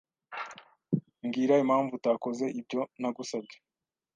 Mbwira impamvu utakoze ibyo nagusabye.